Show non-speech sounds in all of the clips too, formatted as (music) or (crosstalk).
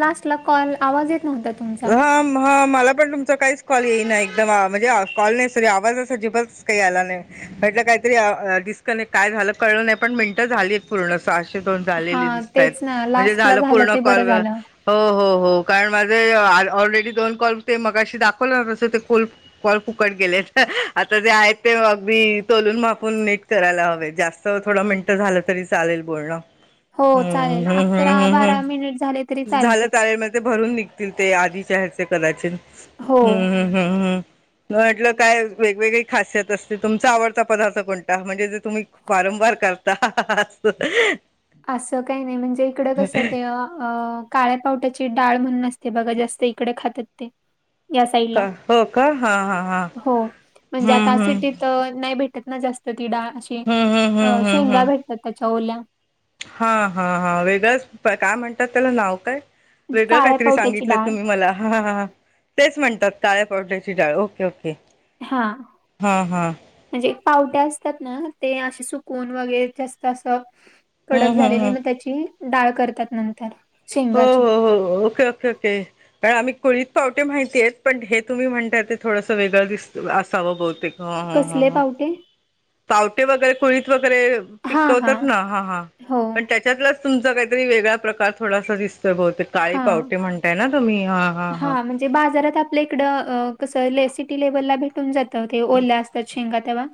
लास्टला कॉल आवाज येत नव्हता तुमचा. हम हम मला पण तु काहीच कॉल येईना एकदम म्हणजे कॉल नाही साॅरी आवाजच अजिबातच काही आला नाही. म्हटलं काहीतरी अ डिस्कनेक्ट काय झालं कळलं नाही. पण मिनिटं झालीत. पूर्ण, सहाशे दोन झालेली हां, दिसतायत. तेच ना म्हणजे लास्टला झालं पूर्ण ते बरं कॉल झालं. हो हो हो कारण माझे ऑल ऑलरेडी दोन कॉल ते मगाशी दाखवले तसं ते फुल काॅल फुकट गेलेत. आता जे आहेत ते अगदी तोलून मापून एक करायला हवेत. जास्त थोडं मिनटं झालं तरी चालेल बोलणं. हो चालेल. हम्म, हम्म, हम्म, अकरा हम्म, हम्म. बारा मिनिट झाले तरी चालते. झालं चालेल म ते भरून निघतील ते आधीचे ह्याचे कदाचित. हो. हं हं. हं हं. म म्हटलं काय वेगवेगळी खासियत असते. तुमचा आवडता पदार्थ कोणता? म्हणजे जे तुम्ही वारंवार करता असं. असं काही नाही. म्हणजे इकडं कसं ते अ अ काळ्या पावट्याची डाळ म्हणून असते बघा जास्त इकडे खातात ते. या साईडला. का हो का हा हा हा हो, म्हणजे आता हम्म सिटी हम्म त नाही भेटत ना जास्त ती डाळ अशी, हम्म हम्म अ हम्म हम्म शेंगा हम्म भेटतात त्याच्या ओल्या. हा हा हा वेगळंच प्र, काय म्हणतात त्याला नाव काय? वेगळं काळ्या काहीतरी पावट्याची सांगितलं डाळ. तुम्ही मला, हा हा हा. तेच म्हणतात काळ्या पावट्याची डाळ, ओके ओके. हा. हा हा म्हणजे एक पावटे असतात ना ते असे सुकवून वगैरे जास्त अस हम्म कडक हम्म झालेले हम्म मग त्याची, डाळ करतात नंतर. हो शेंगाची हो हो, ओके ओके ओके. कारण आम्ही कुळीत पावटे माहितीयेत पण, हे तुम्ही म्हणताय ते थोडंस वेगळं दिसत असाव बहुतेक. ह ह ह कसले ह, पावटे पावटे वगैरे कुळीत वगैरे पिकवतात ना, हा हा हो पण त्याच्यातलाच तुमचा काहीतरी वेगळा प्रकार थोडासा दिस तोय बहुतेक काळे हा पावटे म्हणताय ना तुम्ही, हा हा हा. ते बाजारात आपल्या इकडं अ कस ले सिटी लेव्हलला भेटून जातं ते ओल्या असतात शे शेंगा तेव्हा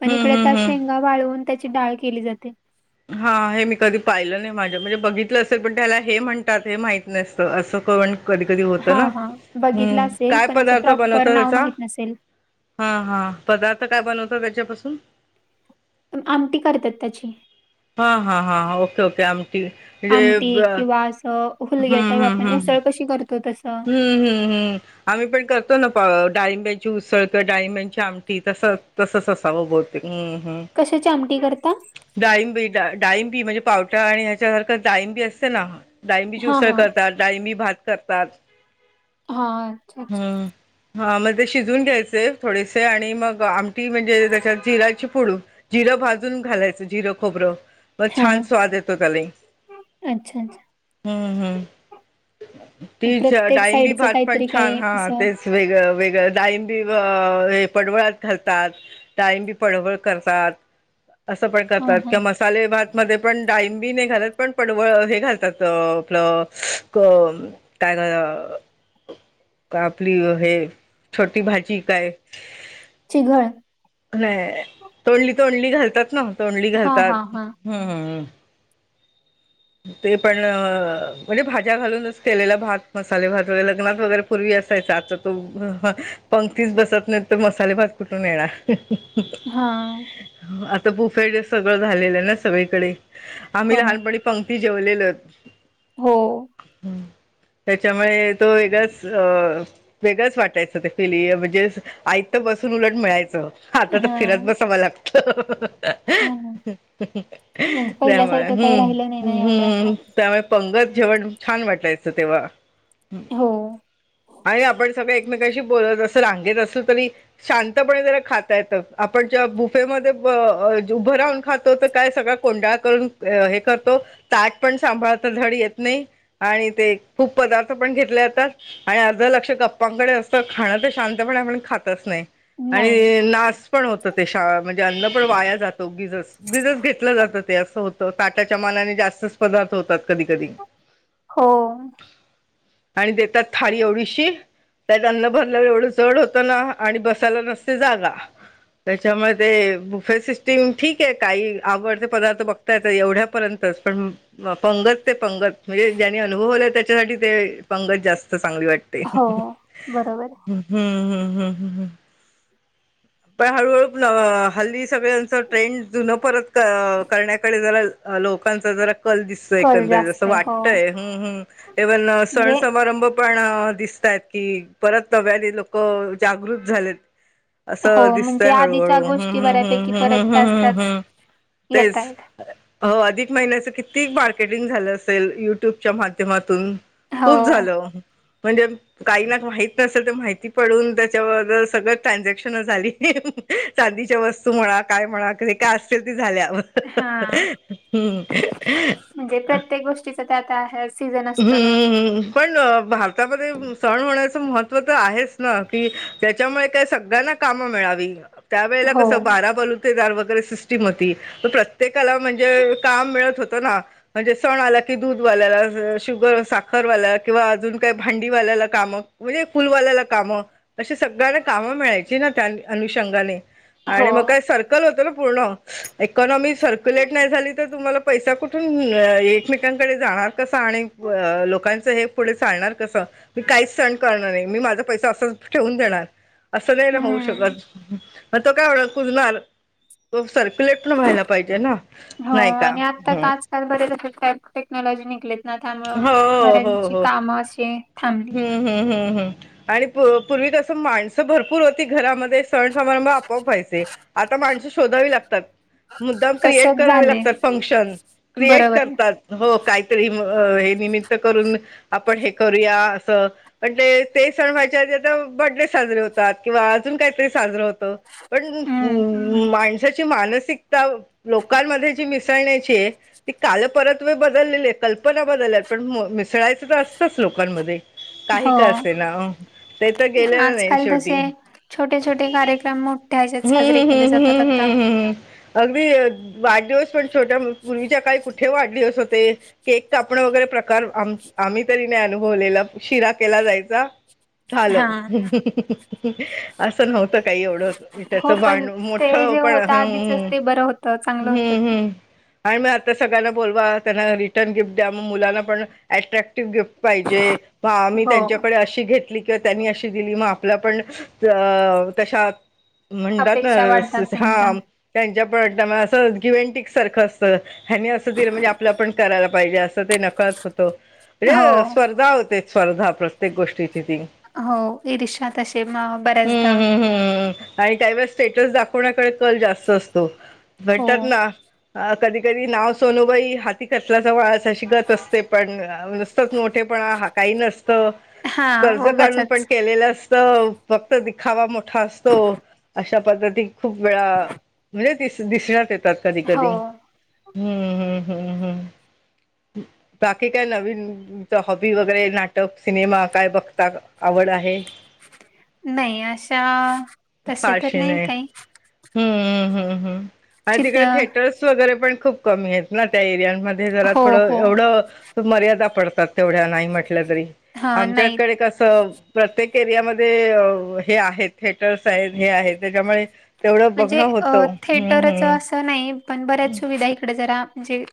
पण हम्म इकडे त्या हम्म हम्म शेंगा वाळवून त्याची डाळ केली जाते. हा हे मी कधी पाहिलं नाही माझं म्हणजे बघितलं असेल पण त्याला हे म्हणतात हे माहीत नसत अस कन कधी कधी होत हा ना हा बघितला हम्म, असेल काय पण असं पदार्थ प्रॉपर बनवतात नाव ह्याचा? माहित नसेल हा हा, पदार्थ काय बनवतात याच्यापासून? आमटी करतात त्याची. हा हा हा, ओके ओके आमटी म्हणजे आमटी ब किंवा असं हुलग्या हम्म टाईप हम्म आपण हम्म उसळ कशी करतो तस. हम्म हम्म हम्म. आम्ही पण करतो ना प डाळींब्याची उसळ किंवा डाळींब्यांची आमटी तसच. तसंच असावं बहुतेक, हं हं कशाची आमटी करता? डाळिंबी डाळिंबी म्हणजे पावटा आणि ह्याच्यासारखं डाळिंबी असते ना डाळिंबीची हा उसळ हा करतात, डाळिंबी भात करतात. हा, अच्छा अच्छा. हम्म हा मग ते शिजवून घ्यायचे थोडेसे आणि मग आमटी म्हणजे त्याच्यात जिऱ्याची फोडू जिरं भाजून घालायचं जिर, खोबर म हा छान स्वाद येतो त्याने. अच्छा अच्छा हम्म हम्म, तीच प्रत्येक डाळिंबी साईडचं भात पण काहीतरी छान काही हा हा असं तेच वेगळ, वेगळं डाळिंबी अ हे पडवळात घालतात डाळिंबी पडवळ करतात, असं पण हा करतात हा किंवा मस साले भात मध्ये पण डाळिंबी नाही घालत, पण पडवळ हे घालतातअ आपलं अ क अ का आपली हे छोटी भाजी काय चिघळ. नाय तोंडली तोंडली घालतात ना, तोंडली हा हा घालतात हा हं हं. ते पण अ, म्हणजे भाज्या घालूनच केलेला भात, मसाले भात वग लग्नात वगैरे पूर्वी असायचा, आता तो पंक्तीच बसत नाही तर मसाले भात कुठून येणार. हा आता बुफे ते सगळं झालेलं आहे ना सगळीकडे, आम्ही हो ना लहानपणी पंक्ती जेवलेलोत, हो हम्म. त्याच्यामुळे तो वेगळाच अ वेगळंच वाटायचं ते फिली, म्हणजे आयतं बसून उलट मिळायचं. आता तर हा फिरत बसावं लागतं ह ह ह. हा म्हणजे त्यामुळे पहिल्यासारखं काही हम्म राहिलं नाही. ना एवढं आता हम्म त्यामुळे पंगत जेवण छान वाटायचं तेव्हा. हं हो आणि आपण सगळे एकमेकशी बोलत असत, रांगेत असलो तरी - शांतपणे जरा खाता येतं. आपण जेव्हा बुफेमध्ये ब अ उभं राहून खातो तर काय सगळ - कोंडाळं करून हे करतो, ताट पण सांभाळता धड येत नाही. आणि ते खूप पदार्थ पण घेतले जातात. आणि अर्ध लक्ष गप्पांकडे असतं, खाणं तर शांतपणे आपण खातच नाही. नाही आणि नास पण होतं ते शाळ- म्हणजे अन्न पण वाया जातं उगीचच. उगीचच घेतलं जातं ते असं होतं ताटाच्या मानाने जास्तच- पदार्थ होतात कधी कधी. हो आणि देतात थाळी एवढीशी. त्यात अन्न भरल्यावर एवढं जड होतं ना, आणि बसायला नसते जागा. त्याच्यामुळे ते बुफे सिस्टीम ठीकये, काही आवडते पदार्थ बघता येतात एवढ्या- पर्यंतच पण पंगत ते पंगत, म्हणजे ज्याने अनुभवलंय त्याच्या- त्यासाठी ते पंगत जास्त चांगली वाट- हो बरोबर हे. हम् हम हम हम ह- पण हळूहळू अ हल्ली सगळ्यांचं ट्रेंड जुनं परत अ करण्याकडे जरा- लोकांचा जरा कल दिसतोय कल एकंदरीत, अस्स जास्त आहे हो वाटतंय. हम्म हम्म ईव्हन सण म्हणजे समारंभ- पण दिसतायत की परत नव्याने लोक जागृत झालेत. हो असं दिसत म्हणजे आहे हळू आधीच्या हळू हम् गोष्टी हम्म हम्म बऱ्यापैकी परत हम् हम् त्याच हम् त्याच हम्म - येत आहेत तेच- हो अधिक महिन्याचं किती मार्केटिंग झालं असेल युट्यूबच्या माध्यमातून. हो खूप झालं. म्हणजे काही ना माहित नसेल तर माहिती पडून त्याच्याबदल सगळं ट्रानझॅक्- क्षन झाली. ह ह ह चांदीच्या वस्तू म्हणा, काय म्हणा, काय असतील ते झाल्यावर - हां म्हणजे प्रत्येक गोष्टीचं ते आता आहेच- हम्मम्मम् पण भारतामध्ये सण होण्याचं महत्त्व तर आहेच ना कि- त्याच्यामुळे काय सगळ्यांना कामं मिळावी, त्यावेेळेला हो कसं बारा बलू- तेदार वगैरे सिस्टीम होती, म प्रत्येकाला म्हणजे काम मिळत होतं ना. म्हणजे सण आला की दूधवाल्याला जर- शुगर साखरवाला किंवा अजून काही भांडीवाल्याला कामं म्हणजे फुलवाल्याला कामं. अशी सगळ्यांना कामं मिळायची ना त्या अनुषंगाने हो आणि मग काय सर केलं होत ना पूर्ण. इकॉनॉमी सर्क्युलेट नाही झाली तर तुम्हाला पैसा कुठून एकमेकांकडे जाणार कसा आणि- लोकांचं हे पुढे चालणार कसं? मी काहीच सण करणार नाही मी माझा पैसा असंच ठेवून देणार. असं नाही ना होऊ हम्म शकत, मग तो काय म्हणल कुजणार, तो सर्कुलेट- ण व्हायला पाहिजे ना नाही का? आल बरेच तसे टेक्नॉलॉजी निघलेत ना त्यामुळ हो बऱ्यांची कामं असे- फॅमिलीत. हम् हम् हम् आणि पू पूर्वी कसं माणसं भर- पूर होते घरामध्ये सण समारंभ आपोआप व्हायचे. आता माणसं शोधावी लागतात. मुद्दाम क्रिएट तसच करावे झाले लागतात फंक्शन क्रिएट बरोबर आहे करतात. हो काहीतरी हे निमित्त करून आपण हे करूया. म्हणलं ते सण व्ह्यायच्या आधी आता बडे साजरे होतात किंवा अजून काहीतरी साजत- (inaudible) हम्म ज्याची मानसिकता लोकांमध्ये जी मिसळण्याचीय - काल परत व बदललेली आहे कल्पना बदलल्या पण मिसळायचं तर लोकांमध्ये- हो काही का असे ना ते तर गेलेलं नाही आजकाल शेवटी तसे हम्म छोटे छोटे कार्यक्रम- (unintelligible) साजरे हम्म केले हम्म जातात आता. हम्म हम्म हम्म अगदी वाढदिवस पण छोट्या पूर्वीच्या काही कुठे वाढदिवस होते. केक कापणं वगैरे प्रकार आम्ही तरी नाही अनुभवलेला- शिरा केला जायचा झालं. हा असं नव्हतं काही एवढं त्याच हो पण भांड मोठ पण अं. तर चांगलं होत. आणि मग आता सगळ्यांना बोलवा त्यांना रिटर्न गिफ्ट द्या मग मुलांना पण- अट्रॅक्टिव्ह गिफ्ट पाहिजे- मग आम्ही हो त्यांच्याकडे अशी घेतली किंवा त्यांनी अशी दिली मग आपला पण तशा- म्हणतात ना अपेक्षा वाढतात त्यांच्या हा- त्यांच्या प असं गीवीकिंटिक सारखं असतं- हनी असं दिलं म्हणजे आपलं पण करायला पाहिजे असं ते नकळत होत. हो हे स्पर्धा होते स्पर्धा प्रत्येक गोष्टीची ती- हो इरिषा तसेे म हम्म बऱ्याचदा- हम्म हम्म आणि त्यावेळी स्टेटस दाखवण्याकडे कल जास्त असतो हो म्हणतात ना- अ कधी नाव सोनूबाई- ती कसलाचा वाळ अशी गत असते पण नुसतेच मोठेपणा हा काही नसतं- हा कर्ज काढून पण उगचच केलेलं अस- फक्त दिखावा मोठा असतो अशा पद्धती खूप वेळा- म्हणजे दिस दिसण्यात येतात कधी हो कधी- हम्म हम्म हम्म हम् बाकी काय नवीन हॉबी वगैरे- नाटक सिनेमा काय बघता आवड आहे. नाही अशा तशा तर नाही काही- हम्म हम्म हम्म. आणि चित तिकडे थेटर्स वगैरे पण खूप कमी आहेत ना त्या एरियामध्ये जरा हो थोडं हो एवढं- मर्यादा पडतात तेवढ्या नाही म्हटल्या तरी, हा नाही आमच्याकडे कसं- प्रत्येक एरियामध्ये हे आहेत थिएटर्स आहेत हे आहे त्याच्यामुळे- तेवढं म्हणजे बघणं होतं हम्म थेटरच हम्म. असं नाही पण बऱ्याच सुविधा इकडं जरा म्हणजे-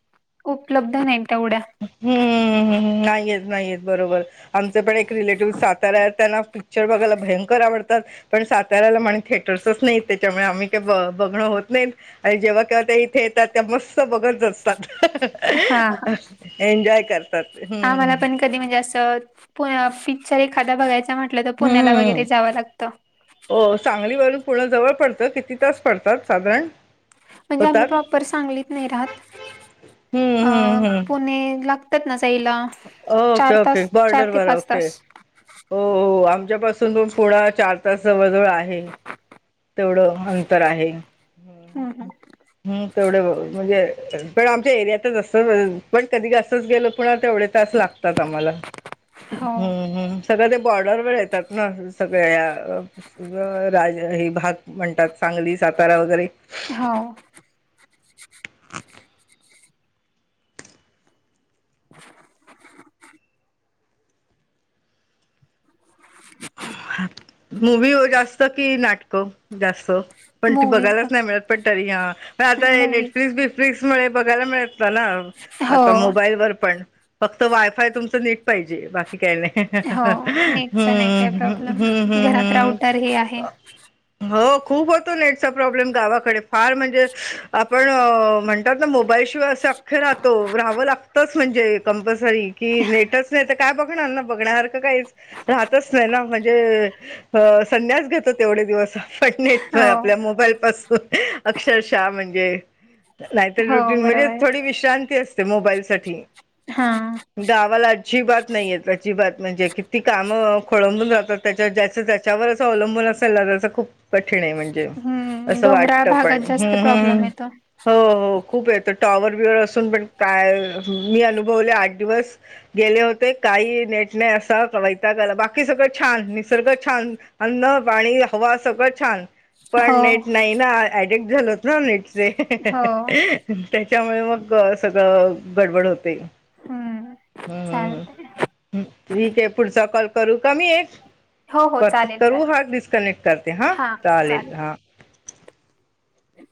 उपलब्ध नाही तेवढ्या- हम्म नाहीेत नाहीेत बरोबर आमचे पण एक रिलेटिव्ह साताऱा आहेत त्यांना पिक- चिक्चर बघायला भयंकर आवडतात. पण साताऱ्याला म्हणे थिएटर्सच नाहीत त्याच्यामुळे आम्ही काही ब बघणं होत नाहीत. आणि जेव्हा केव्हा ते इथे येतात तेव्हा मस्त बघत जगतात. हा हा एन्जॉय कर. आम्हाला पण कधी म्हणजे असं पिक्चर एखादा बघायचा म्हणलं, म्हणलं तर पुण्याला हम्म वगैरे जावं लागतं. हो सांगली वरुन पुन जवळ पडतं किती तास पडतात साधारण. म्हणजे आम्ही होतात प्रॉपर सांगलीत नाही राहत अ हम्म हम्म हम्म पुणे ला, तेव्हा ना जाईल (unintelligible) ओके ओके बॉर्डर तास हो हो आमच्यांपासूंन पणं पुन्हां चार तासां जवळं जवळं आहे तेवढं अंतर आहे हम्मं हम्मं हम्मं तेवढं म्हणजे पणं आमच्या एरियात चं असतं पणं कधीस्तंच गेलो पणं तेवढे तासं लागतं वां आम्हांला हो हम्मं हम्मं सगळं ते बॉर्डरवर येतांत नां सगळ्यां राजं हे भांग म्हणतांत सांगली सातांरा वगैरें हांव हं (unintelligible) मूवी जास्तं कि नाटकं जास्तं पणं ती मूवीज बघायलांच बघ नाहीं मिळतं पणं तरी हां मूवी आतांटफ्ली बी फिक्सं मुळे बघायंला मिळतं नां हो आंता मोबाईल वरं पणं फक्तं वायंफायं तुमचं नीट पाहिजे बाकी कांहीं नाहीं हो नेटचा नाही काही ह्यां हम्मं प्रॉब्लेम हम्मं हम्मं घरात राऊटर हे आहे हम्मं होव खूंप होतो नेटचां प्रॉब्लेम गावांकडे फांर म्हणजे आपणं म्हंणे नां मोबाईलशिवायं असं अंख्खे राहतो राहावं लागतंच म्हणजे कंपल्सरी की नेटचं नाहीं कायं बघणांर नां बघण्यां कायं राहायचं नाहीं नाहीं नां म्हणजे संन्यांस घेतो तेवढे दिवसं पणं नटं पणं हो आपल्या मोबाईल पासूंन अक्षरशः म्हणजे नाहींतरं हो रुटीन म्हणजे बरोबर थोडी विश्रांती असते मोबाईल साठी हा गावांला अची बांत नाहींय त्यांची बातं म्हणजे किती कामं खोळलंबून जातांत त्यांच्या ज्याचं ज्यांच्यावर असं अवलंबून असेल नां त्यांचं खूंप कठीण आहे म्हणजे हम्म असं डोंगराळ वाटतं भागात जास्त पणं प्रॉब्लेम येतो हो खूंप येतो टॉवर ब्यंवर असूंन पणं प्रय मी अनुभवले आंठ दिवसं गेले होते कांहीं नेट नाहीं असं की वैताग आंला होतां बघां बाकी सगळं छांन निसर्ग छांन अन्न पाणी हवां सगळं छांन हो पणं नेट नाहीं नां ऍडिकट झालं होतं नां नेटचे हो त्यांच्यामुळे मंग सगळं गडंबडं होते हम्मं छांन हं ठीक आहे पुढचां कॉल करूं कां मी एक हो हो परंत चालेल करूं चालेल हां डिस्कनेक्ट करते हां हा चालेल हां हं